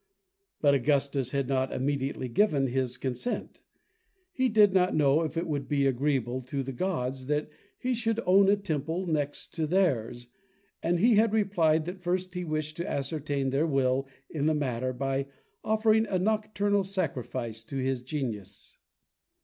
But Augustus had not immediately given his consent. He did not know if it would be agreeable to the gods that he should own a temple next to theirs, and he had replied that first he wished to ascertain their will in the matter by offering a nocturnal sacrifice to his genius.